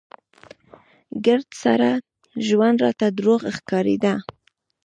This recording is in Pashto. ګرد سره ژوند راته دروغ ښکارېده.